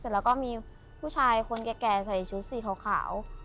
แล้วก็มีผู้ชายคนแก่ใส่ชุดสีขาว